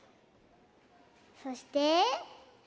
そして「辰」！